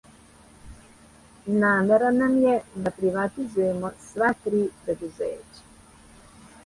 Намера нам је да приватизујемо сва три предузећа.